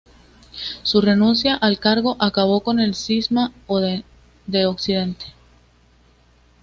Su renuncia al cargo acabó con el Cisma de Occidente.